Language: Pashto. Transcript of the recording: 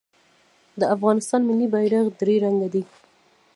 د افغانستان ملي بیرغ درې رنګه دی